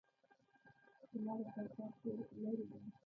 زما د کاکا کور لرې ده